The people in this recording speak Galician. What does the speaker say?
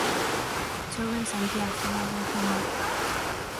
Chove en Santiago, meu doce amor